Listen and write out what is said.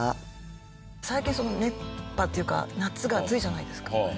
最近熱波っていうか夏が暑いじゃないですか。